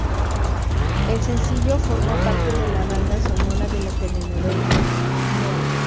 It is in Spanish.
El sencillo formó parte de la banda sonora de la telenovela "Nora".